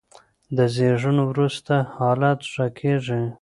د زېږون وروسته حالت ښه کېږي.